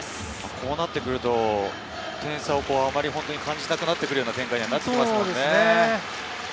こうなってくると点差を感じなくなってくるような展開になってきますかね。